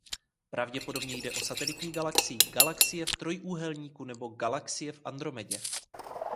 Pravděpodobně jde o satelitní galaxii Galaxie v Trojúhelníku nebo Galaxie v Andromedě.